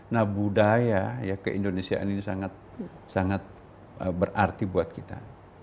nah budaya ya keindonesiaan ini sangat berarti buat kita